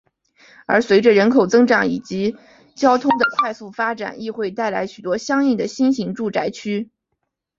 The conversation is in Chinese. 而随着人口增长以及交通的快速发展亦会带来许多相应的新型住宅区。